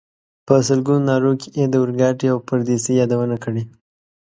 په سلګونو نارو کې یې د اورګاډي او پردیسۍ یادونه کړې.